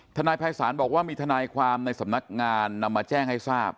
ทนายภัยศาลบอกว่ามีทนายความในสำนักงานนำมาแจ้งให้ทราบ